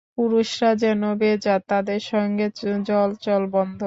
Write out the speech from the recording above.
পুরুষরা যেন বেজাত, তাদের সঙ্গে জলচল বন্ধ।